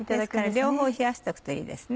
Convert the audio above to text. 両方冷やしとくといいですね。